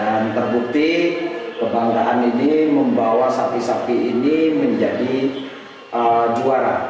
dan terbukti kebanggaan ini membawa sapi sapi ini menjadi juara